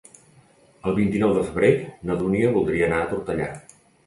El vint-i-nou de febrer na Dúnia voldria anar a Tortellà.